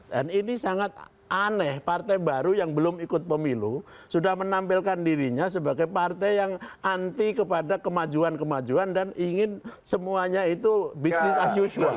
dan ini sangat aneh partai baru yang belum ikut pemilu sudah menampilkan dirinya sebagai partai yang anti kepada kemajuan kemajuan dan ingin semuanya itu bisnis as usual